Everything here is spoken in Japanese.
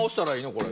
これ。